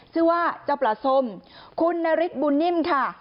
ชื่อว่าเจ้าปลาส้มคุณนฤทธิบุญนิ่มค่ะ